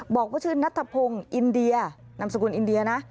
บอกว่าชื่อนัตถพงน์นามสกุลอินเดีย